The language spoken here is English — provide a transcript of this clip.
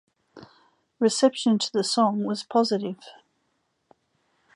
Reception to the song was positive.